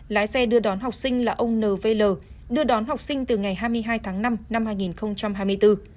lái xe đưa đón học sinh là ông nvl đưa đón học sinh từ ngày hai mươi hai tháng năm năm hai nghìn hai mươi bốn